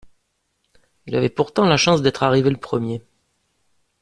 Il avait pourtant la chance d'être arrivé le premier.